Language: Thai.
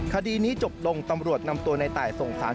คดีนี้จบลงตำรวจนำตัวในตายส่งสาร